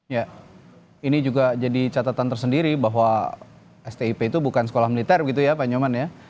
ya ini juga jadi catatan tersendiri bahwa stip itu bukan sekolah militer begitu ya pak nyoman ya